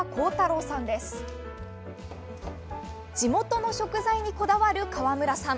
地元の食材にこだわる河村さん。